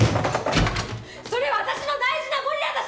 それ私の大事なゴリラだし！